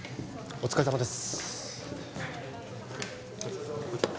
お疲れさまです